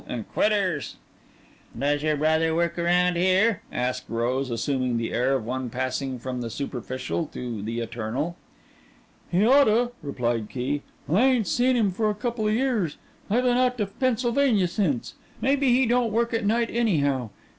and "Quitters!" "Does your brother work around here?" asked Rose, assuming the air of one passing from the superficial to the eternal. "He oughta," replied Key. "I ain't seen him for a coupla years. I been out to Pennsylvania since. Maybe he don't work at night anyhow.